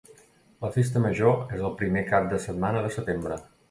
La Festa Major és el primer cap de setmana de setembre.